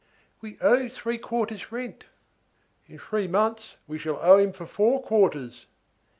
"We owe three quarters rent." "In three months, we shall owe him for four quarters."